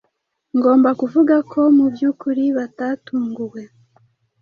Ngomba kuvuga ko mubyukuri batatunguwe.